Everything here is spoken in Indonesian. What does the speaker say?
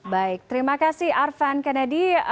baik terima kasih arven kennedy